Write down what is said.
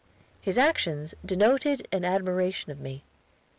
His actions denoted an admiration of me.